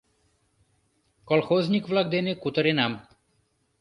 Колхозник-влак дене кутыренам.